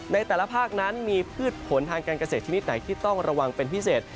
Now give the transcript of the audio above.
ในแต่ละภาคนั้นมีพืชผลทางการเกษตรชนิดไหนที่ต้องระวังเป็นพิเศษ